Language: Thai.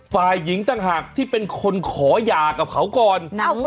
ฝ่ายหญิงต่างหากที่เป็นคนขอหย่ากับเขาก่อน